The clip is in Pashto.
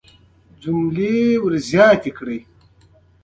کولای شئ چې په موزیلا کامن وایس کې له کتابونو جملې ور اضافه کړئ